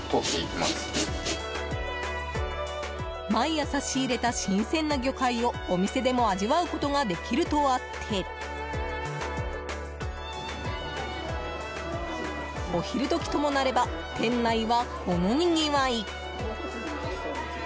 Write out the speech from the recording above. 毎朝仕入れた新鮮な魚介をお店でも味わうことができるとあってお昼時ともなれば店内はこのにぎわい。